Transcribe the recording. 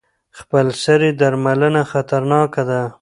خپلسري درملنه خطرناکه ده.